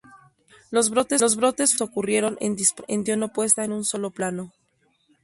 Los brotes frondosos ocurrieron en disposición opuesta en un solo plano.